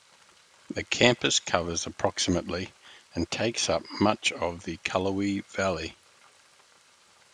The campus covers approximately and takes up much of the Cullowhee Valley.